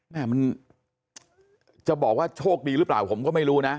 มันจะบอกว่าโชคดีหรือเปล่าผมก็ไม่รู้นะ